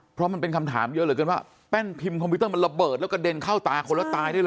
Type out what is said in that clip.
เพราะมันเป็นคำถามเยอะเหลือเกินว่าแป้นพิมพ์คอมพิวเตอร์มันระเบิดแล้วกระเด็นเข้าตาคนแล้วตายด้วยเหรอ